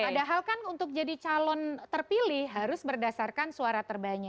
padahal kan untuk jadi calon terpilih harus berdasarkan suara terbanyak